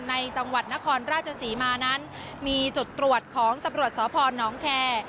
จังหวัดนครราชศรีมานั้นมีจุดตรวจของตำรวจสพนแคร์